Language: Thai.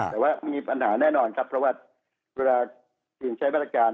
แต่ว่ามีปัญหาแน่นอนครับเพราะว่าคุณใช้พัฒนาการ